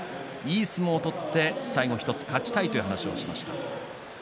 いい相撲を取って最後１つ勝ちたいと言っていました。